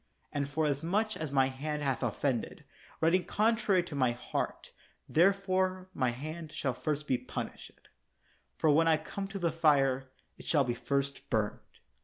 And forasmuch as my hand hath offended, writing contrary to my heart, therefore my hand shall first be punished ; for when I come to the fire, it shall be first burned.